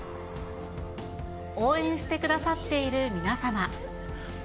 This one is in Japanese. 応援してくださっている皆様。